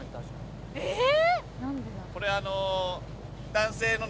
えっ？